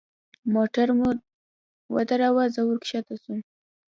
موټر مو ودراوه زه وركښته سوم.